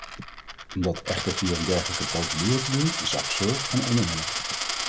Om dat echter via een dergelijke procedure te doen, is absurd en oneerlijk.